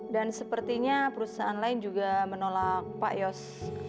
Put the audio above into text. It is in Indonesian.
dan sepertinya perusahaan lain juga menolak pak yos